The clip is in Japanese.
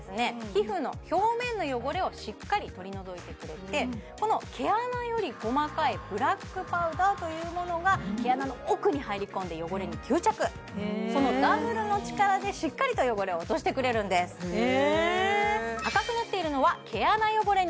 皮膚の表面の汚れをしっかり取り除いてくれてこの毛穴より細かいブラックパウダーというものが毛穴の奥に入り込んで汚れに吸着そのダブルの力でしっかりと汚れを落としてくれるんですへえ